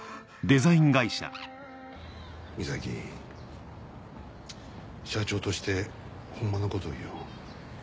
ミサキ社長としてホンマのことを言おう。